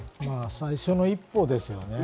最初の一歩ですね。